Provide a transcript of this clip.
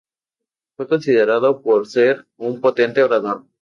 Fue considerado por ser un potente orador.